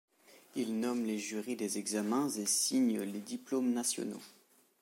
Il nomme les jurys des examens et signe les diplômes nationaux.